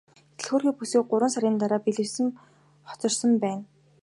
Гэтэл хөөрхий бүсгүй гуравхан сарын дараа бэлэвсрэн хоцорсон байна.